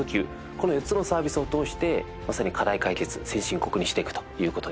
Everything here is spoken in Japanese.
この４つのサービスを通してまさに課題解決先進国にしていくという事です。